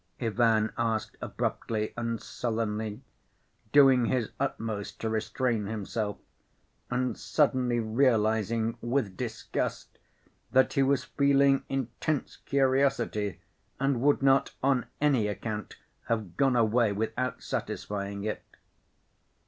Ivan asked abruptly and sullenly, doing his utmost to restrain himself, and suddenly realizing, with disgust, that he was feeling intense curiosity and would not, on any account, have gone away without satisfying it.